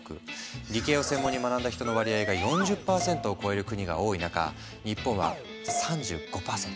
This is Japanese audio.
理系を専門に学んだ人の割合が４０％を超える国が多い中日本は３５％。